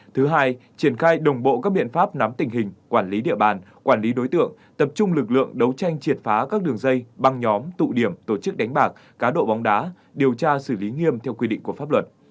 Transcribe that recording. thứ hai triển khai đồng bộ các biện pháp nắm tình hình quản lý địa bàn quản lý đối tượng tập trung lực lượng đấu tranh triệt phá các đường dây băng nhóm tụ điểm tổ chức đánh bạc cá độ bóng đá điều tra xử lý nghiêm theo quy định của pháp luật